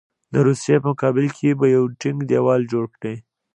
د روسیې په مقابل کې به یو ټینګ دېوال جوړ کړي.